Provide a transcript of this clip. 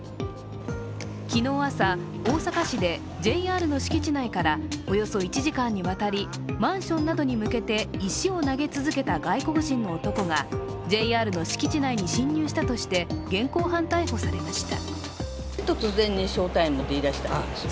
昨日朝、大阪市でＪＲの敷地内からおよそ１時間にわたりマンションなどに向けて石を投げ続けた外国人の男がＪＲの敷地内に侵入したとして現行犯逮捕されました。